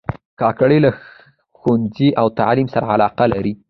کاکړي له ښوونځي او تعلیم سره علاقه لري.